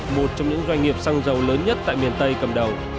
một trong những doanh nghiệp xăng dầu lớn nhất tại miền tây cầm đầu